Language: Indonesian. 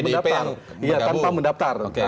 kalau misalnya ahok yang mendaptar